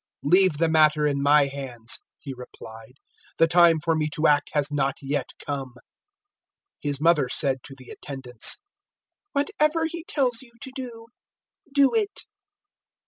002:004 "Leave the matter in my hands," He replied; "the time for me to act has not yet come." 002:005 His mother said to the attendants, "Whatever he tells you to do, do it."